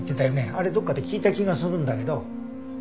あれどこかで聞いた気がするんだけど。